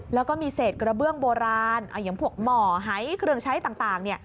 แล้วก็มีเศษกระเบื้องโบราณอย่างพวกหม่อหายเครื่องใช้ต่างเนี่ย